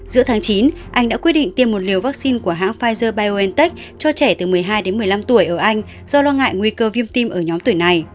giữa tháng chín anh đã quyết định tiêm một liều vaccine của hãng pfizer biontech cho trẻ từ một mươi hai đến một mươi năm tuổi ở anh do lo ngại nguy cơ viêm tim ở nhóm tuổi này